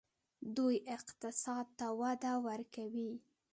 دوی اقتصاد ته وده ورکوي.